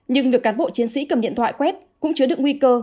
nhưng việc cán bộ chiến sĩ cầm điện thoại quét cũng chứa được nguy cơ